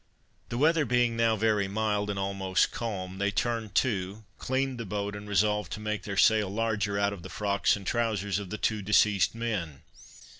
The weather being now very mild, and almost calm, they turned to, cleaned the boat, and resolved to make their sail larger out of the frocks and trowsers of the two deceased men.